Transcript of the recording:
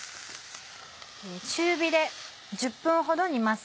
中火で１０分ほど煮ます。